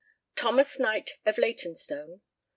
THOMAS KNIGHT, of Leytonstone.